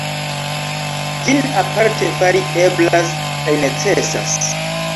Ĝin aparte fari eblas kaj necesas.